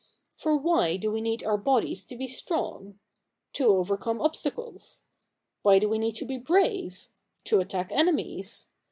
For why do we need our bodies to be strong? — To overcome obstacles. Why do we need to be brave ?— To attack enemies.